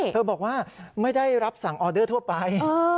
บอกว่าไม่ได้รับสั่งออเดอร์ทั่วไป